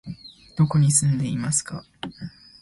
どこに住んでいますか？